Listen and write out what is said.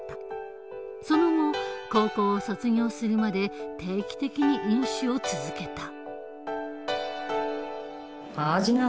その後高校を卒業するまで定期的に飲酒を続けた。